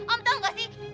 om tau gak sih